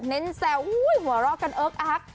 เน้นแซวฮู้ยหัวเราะกันเอิ๊กอัก